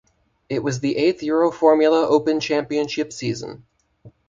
It was the eighth Euroformula Open Championship season.